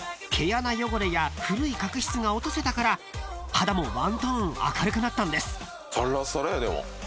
毛穴汚れや古い角質が落とせたから肌も１トーン明るくなったんです］